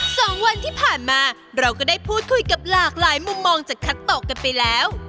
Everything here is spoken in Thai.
สองวันที่ผ่านมาเราก็ได้พูดคุยกับหลากหลายมุมมองจากคัตโตกันไปแล้ว